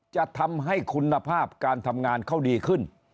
จะทำให้คุณภาพการทำงานเขาดีขึ้น